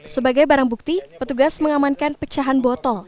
sebagai barang bukti petugas mengamankan pecahan botol